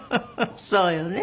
そうよね。